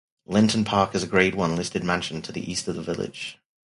Linton Park is a Grade One listed mansion to the east of the village.